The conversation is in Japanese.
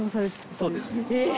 そうですね。